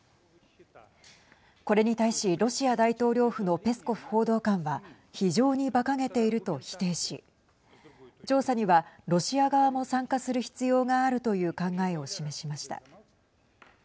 これに対し、ロシア大統領府のペスコフ報道官は非常に、ばかげていると否定し調査にはロシア側も参加する必要があるという考えを示しました。